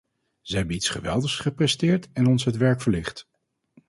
Zij hebben iets geweldigs gepresteerd en ons het werk verlicht.